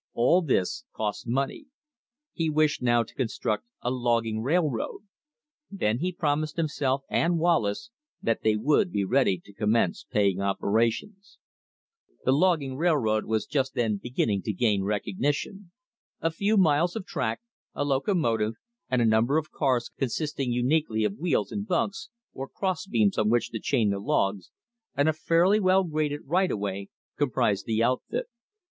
All this costs money. He wished now to construct a logging railroad. Then he promised himself and Wallace that they would be ready to commence paying operations. The logging railroad was just then beginning to gain recognition. A few miles of track, a locomotive, and a number of cars consisting uniquely of wheels and "bunks," or cross beams on which to chain the logs, and a fairly well graded right of way comprised the outfit.